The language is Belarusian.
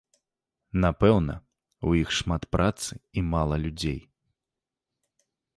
Напэўна, у іх шмат працы і мала людзей.